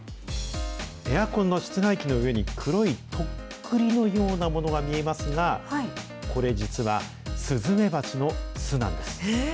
エアコンの室外機の上に、黒いとっくりのようなものが見えますが、これ実は、スズメバチの巣なんです。